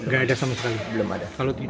gak ada sama sekali